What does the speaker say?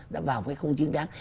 đã vào cái không chứng đáng